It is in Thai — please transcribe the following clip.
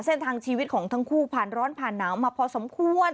เส้นทางชีวิตของทั้งคู่ผ่านร้อนผ่านหนาวมาพอสมควร